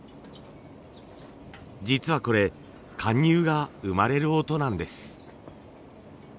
実はこれ貫入が生まれる音なんです。